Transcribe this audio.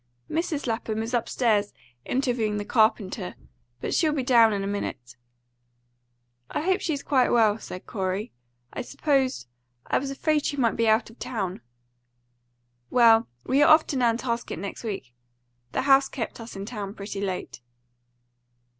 "Mrs. Lapham is upstairs interviewing the carpenter, but she'll be down in a minute." "I hope she's quite well," said Corey. "I supposed I was afraid she might be out of town." "Well, we are off to Nantasket next week. The house kept us in town pretty late."